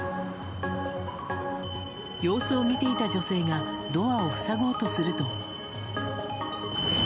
様子を見ていた女性がドアを塞ごうとすると。